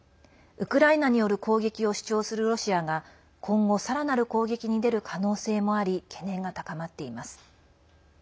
ウクライナによる攻撃を主張するロシアが今後さらなる攻撃に出る可能性もあり懸念が高まっています。